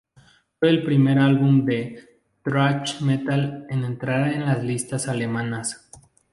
Fue el primer álbum de thrash metal en entrar en las listas alemanas.